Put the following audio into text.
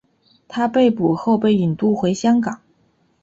他被捕后被引渡回香港。